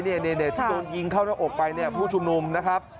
ที่โดนยิงเข้าในอกไปผู้ชุมนุมนะครับ